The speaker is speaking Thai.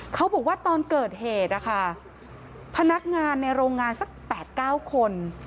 เขาบอกว่าตอนเกิดเหตุนะคะพนักงานในโรงงานสัก๘๙คน